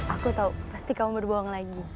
aku tahu pasti kamu berbohong lagi